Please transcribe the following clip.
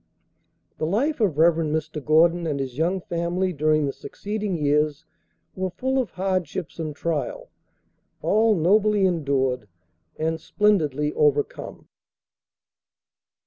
The life of Rev. Mr. Gordon and his young family during the succeeding years were full of hardships and trial, all nobly endured and splendidly overcome.